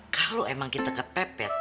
kalau emang kita kepepet